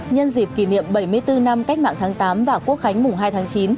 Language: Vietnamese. nhân dịp kỷ niệm bảy mươi bốn năm cách mạng tháng tám và quốc khánh mùng hai tháng chín